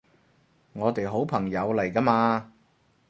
我哋好朋友嚟㗎嘛